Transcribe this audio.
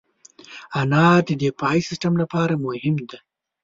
انار د دفاعي سیستم لپاره مهم دی.